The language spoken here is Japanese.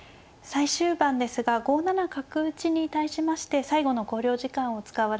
最終盤ですが５七角打に対しまして最後の考慮時間を使われました。